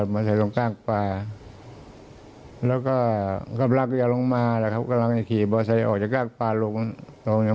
มันบว้วบไปเลยครับนะครับเป็นแผงที่คงบว้วไปเลยครับ